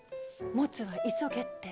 モツは急げって。